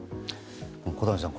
小谷さん